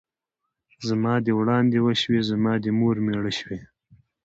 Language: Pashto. ـ زما دې وړاندې وشوې ، زما دې مور مېړه شوې.